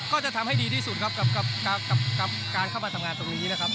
ก็จะทำให้ดีที่สุดครับกับการเข้ามาทำงานตรงนี้นะครับ